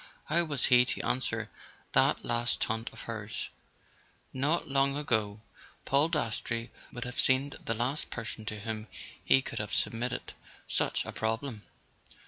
How was he to answer that last taunt of hers? Not long ago, Paul Dastrey would have seemed the last person to whom he could have submitted such a A SON AT THE FRONT problem.